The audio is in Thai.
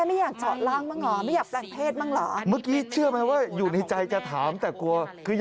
เพราะรับแสดงหนังเอ็กซ์แม่จะข่าวหมดเลย